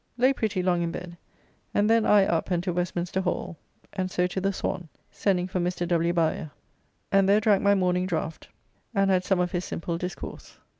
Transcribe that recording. Lay pretty long in bed, and then I up and to Westminster Hall, and so to the Swan, sending for Mr. W. Bowyer, and there drank my morning draft, and had some of his simple discourse.